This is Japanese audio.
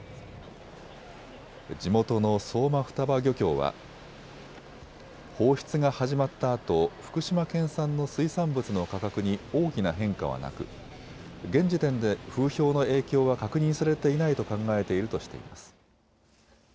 地元の相馬双葉漁協は放出が始まったあと福島県産の水産物の価格に大きな変化はなく現時点で風評の影響は確認されていないと考えているとしています。